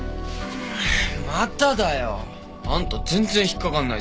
まただよ。あんた全然引っ掛かんないじゃん。